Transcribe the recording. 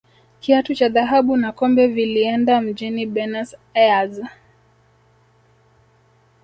kiatu cha dhahabu na kombe vilieenda mjini benus aires